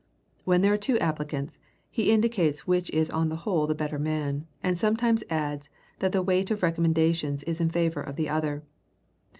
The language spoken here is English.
When there are two applicants, he indicates which is on the whole the better man, and sometimes adds that the weight of recommendations is in favor of the other!